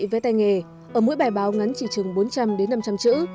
với tay nghề ở mỗi bài báo ngắn chỉ chừng bốn trăm linh đến năm trăm linh chữ